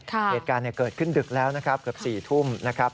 เหตุการณ์เกิดขึ้นดึกแล้วนะครับเกือบ๔ทุ่มนะครับ